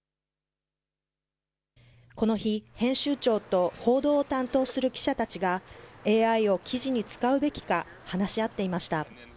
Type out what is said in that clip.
この日、編集長と報道を担当する記者たちが、ＡＩを記事に使うべきか話し合っていました。